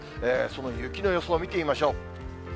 その雪の予想、見てみましょう。